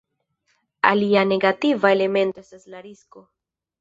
Alia negativa elemento estas la risko.